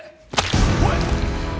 おい！